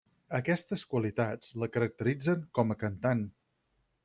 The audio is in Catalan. Aquestes qualitats la caracteritzen com a cantant.